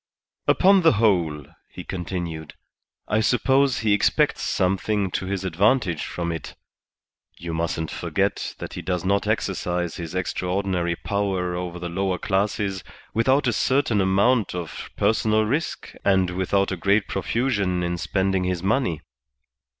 "Upon the whole," he continued, "I suppose he expects something to his advantage from it. You mustn't forget that he does not exercise his extraordinary power over the lower classes without a certain amount of personal risk and without a great profusion in spending his money.